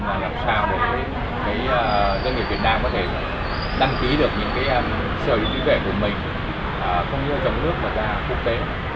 cho nên là làm sao để các doanh nghiệp việt nam có thể đăng ký được những sở trí tuệ của mình không như trong nước mà ra quốc tế